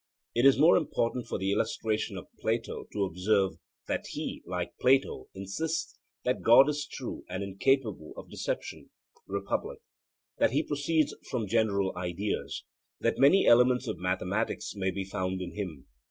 It is more important for the illustration of Plato to observe that he, like Plato, insists that God is true and incapable of deception (Republic) that he proceeds from general ideas, that many elements of mathematics may be found in him.